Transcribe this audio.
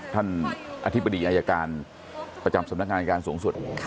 ท่านอธิบดีอายการประจำสำนักงานการสูงสุด